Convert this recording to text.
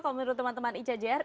kalau menurut teman teman ica jr